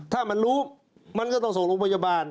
ถ้ามันรู้มันก็ต้องส่งโรงพยาบาล